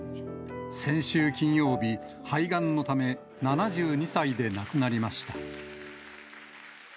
先週金曜日、肺がんのため、７２歳で亡くなりました。